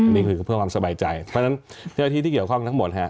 อันนี้คือเพื่อความสบายใจเพราะฉะนั้นเจ้าที่ที่เกี่ยวข้องทั้งหมดฮะ